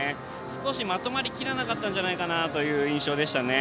少しまとまりきらなかったんじゃないかなという印象でしたね。